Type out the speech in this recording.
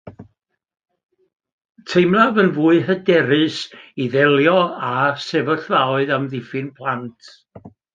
Teimlaf yn fwy hyderus i ddelio â sefyllfaoedd amddiffyn plant